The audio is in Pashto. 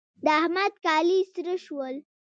د احمد کالي سره شول.